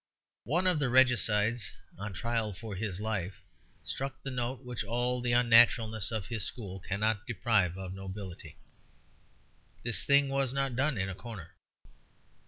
One of the Regicides, on trial for his life, struck the note which all the unnaturalness of his school cannot deprive of nobility: "This thing was not done in a corner."